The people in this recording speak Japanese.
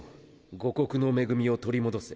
「五穀の恵み」を取り戻せ。